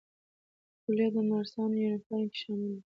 خولۍ د نرسانو یونیفورم کې شامله ده.